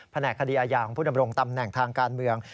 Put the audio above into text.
แหนกคดีอาญาของผู้ดำรงตำแหน่งทางการเมือง